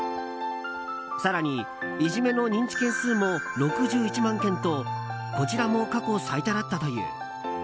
更に、いじめの認知件数も６１万件とこちらも過去最多だったという。